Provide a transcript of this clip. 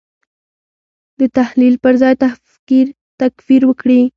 د تحلیل پر ځای تکفیر وکړي.